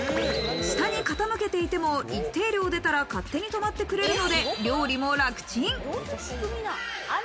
下に傾けていても一定量出たら勝手に止まってくれるので料理も楽ちん。